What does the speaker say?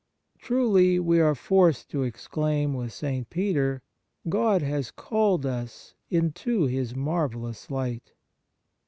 3 Truly we are forced to exclaim with St. Peter: "God has called us into His marvellous light."